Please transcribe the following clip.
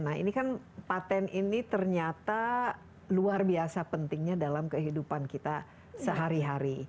nah ini kan paten ini ternyata luar biasa pentingnya dalam kehidupan kita sehari hari